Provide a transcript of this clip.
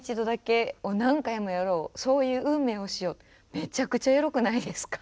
めちゃくちゃエロくないですか？